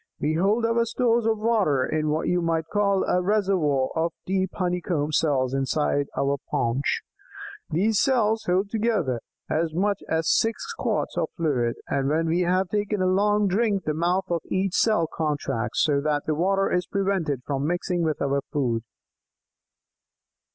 "We hold our stores of water in what you might call a 'reservoir' of deep honeycomb cells inside our paunch. These cells hold altogether as much as six quarts of fluid, and when we have taken a long drink the mouth of each cell contracts, so that the water is prevented from mixing with our food.